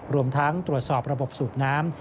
รวมทั้งตรวจสอบระบบสูบน้ำ